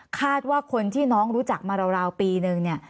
คาดว่าคนที่น้องรู้จักมาราวปีนึงเนี่ย